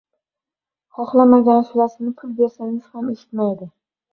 Xohlamagan ashulasini pul bersangiz ham eshitmaydi.